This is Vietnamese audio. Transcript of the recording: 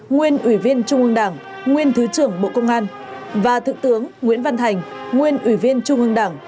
nguyên ủy viên trung ương đảng nguyên thứ trưởng bộ công an và thượng tướng nguyễn văn thành nguyên ủy viên trung ương đảng